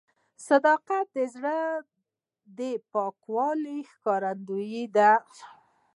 صداقت د زړه د پاکوالي ښکارندوی دی.